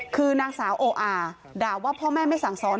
คือนางสาวโออาด่าว่าพ่อแม่ไม่สั่งสอน